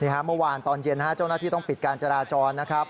เมื่อวานตอนเย็นเจ้าหน้าที่ต้องปิดการจราจรนะครับ